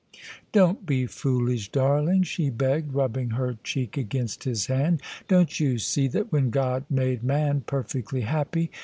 " Don't be foolish, darling," she begged, rubbing her cheek against his hand. " Don't you see that when God made man perfectly happy.